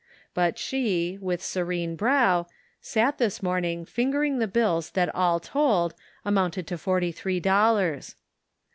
But she, with serene brow, sat this morning fingering the bills that all told, amounted to forty three dollars.